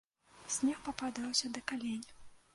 Снег пападаўся да калень.